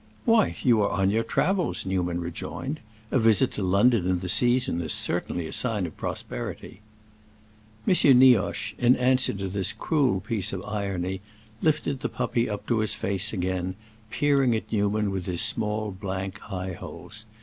"Why, you are on your travels," Newman rejoined. "A visit to London in the season is certainly a sign of prosperity." M. Nioche, in answer to this cruel piece of irony, lifted the puppy up to his face again, peering at Newman with his small blank eye holes.